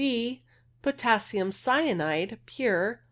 B. Potassium cyanide (pure)